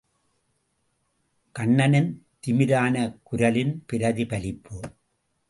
கண்ணனின் திமிரான குரலின் பிரிதி பலிப்பு.